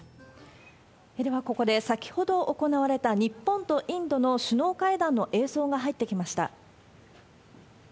ではここで、先ほど行われた日本とインドの首脳会談の映像が入ってきました。